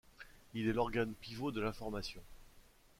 Il est l'organe pivot de l'information.